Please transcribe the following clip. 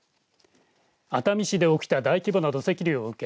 熱海市で起きた大規模な土石流を受け